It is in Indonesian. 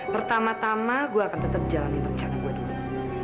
pertama tama gue akan tetap jalani perencanaan gue dulu